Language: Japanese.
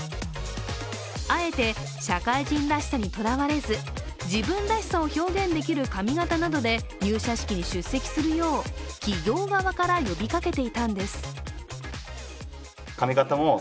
あえて社会人らしさにとらわれず自分らしさを表現できる髪形などで入社式に出席するよう企業側から呼びかけていたんです。